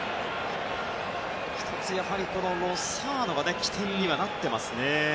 １つ、ロサーノが起点にはなっていますね。